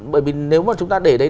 bởi vì nếu mà chúng ta để đấy